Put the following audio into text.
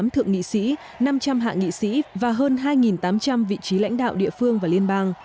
một trăm hai mươi tám thượng nghị sĩ năm trăm linh hạ nghị sĩ và hơn hai tám trăm linh vị trí lãnh đạo địa phương và liên bang